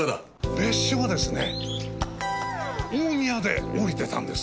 別所がですね大宮で降りてたんです。